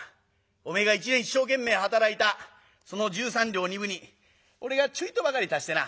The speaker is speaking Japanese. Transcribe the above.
おめえが一年一生懸命働いたその十三両二分に俺がちょいとばかり足してな